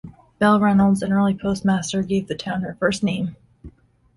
Belle Reynolds, an early postmaster, gave the town her first name.